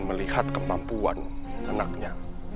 asal mengingat kebenarannya memiliki antara semuanya